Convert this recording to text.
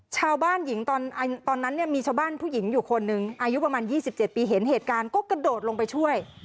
ชาวบ้านหญิงตอนนั้นเนี่ยมีชาวบ้านผู้หญิงอยู่คนหนึ่งอายุประมาณ๒๗ปีเห็นเหตุการณ์ก็กระโดดลงไปช่วย